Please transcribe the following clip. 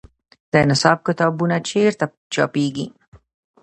د نصاب کتابونه چیرته چاپیږي؟